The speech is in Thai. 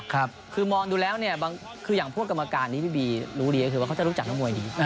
คือมองดูแล้วเนี่ยบางคืออย่างพวกกรรมการนี้พี่บีรู้ดีก็คือว่าเขาจะรู้จักนักมวยดี